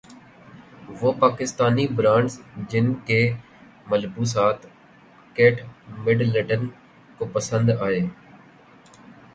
وہ پاکستانی برانڈز جن کے ملبوسات کیٹ مڈلٹن کو پسند ائے